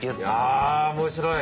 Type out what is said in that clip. あ面白い。